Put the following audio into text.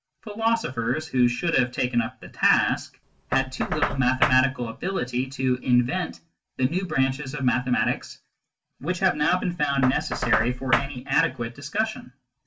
Philosophers, who should have taken up the task, had too little mathematical ability to invent the new branches of mathematics which have now been found necessary for any adequate discussion.